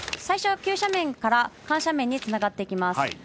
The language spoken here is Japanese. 最初は急斜面から緩斜面につながっていきます。